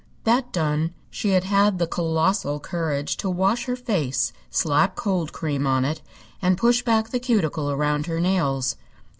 That done, she had had the colossal courage to wash her face, slap cold cream on it, and push back the cuticle around her nails.